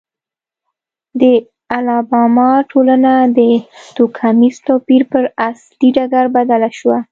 د الاباما ټولنه د توکمیز توپیر پر اصلي ډګر بدله شوه.